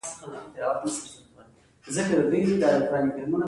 هغه له یوه داسې محرومیت سره نړۍ ته راغی